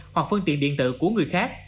hoặc phân tiện điện tử của người khác